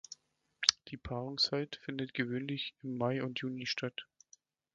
Die Paarungszeit findet gewöhnlich im Mai und Juni statt.